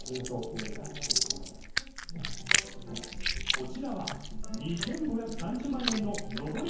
こちらは２５３０万円の昇り